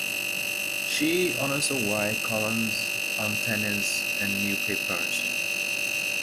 She also writes columns on tennis in newspapers.